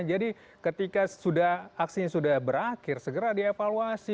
jadi ketika aksi sudah berakhir segera dievaluasi